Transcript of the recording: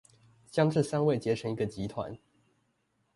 將這三位結成一個集團